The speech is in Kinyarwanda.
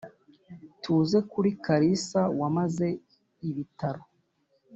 tuze kuri kalisa wamaze ibitaro